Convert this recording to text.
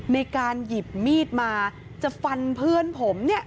ในการหยิบมีดมาจะฟันเพื่อนผมเนี่ย